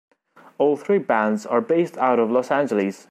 All three bands are based out of Los Angeles.